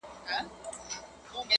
گراني خبري سوې د وخت ملكې